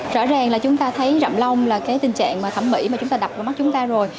rõ ràng là chúng ta thấy rộng lông là tình trạng thẩm mỹ mà chúng ta đập vào mắt chúng ta rồi